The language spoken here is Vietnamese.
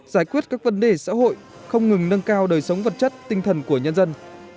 giải quyết các vấn đề xã hội không ngừng nâng cao đời sống vật chất tinh thần của nhân dân